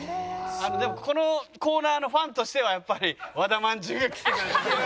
でもこのコーナーのファンとしてはやっぱり和田まんじゅうが来てくれたのが。